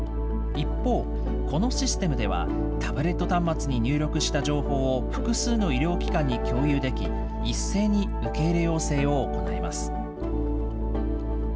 一方、このシステムでは、タブレット端末に入力した情報を複数の医療機関に共有でき、一斉に受け入れ要請を行えます。